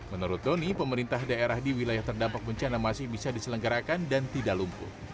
menurut doni pemerintah daerah di wilayah terdampak bencana masih bisa diselenggarakan dan tidak lumpuh